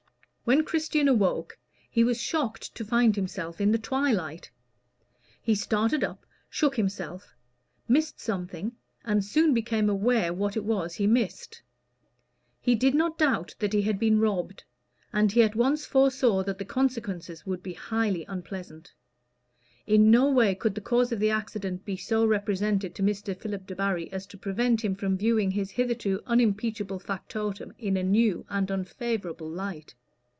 When Christian awoke, he was shocked to find himself in the twilight. He started up, shook himself, missed something, and soon became aware what it was he missed. He did not doubt that he had been robbed, and he at once foresaw that the consequences would be highly unpleasant. In no way could the cause of the accident be so represented to Mr. Philip Debarry as to prevent him from viewing his hitherto unimpeachable factotum in a new and unfavorable light.